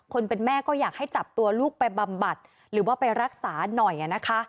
เป็นแม่ก็อยากให้จับตัวลูกไปบำบัดหรือว่าไปรักษาหน่อยนะคะ